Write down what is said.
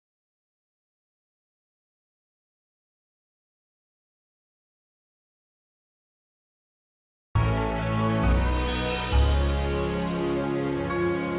kayaknya gue mau ke tempat yang lebih baik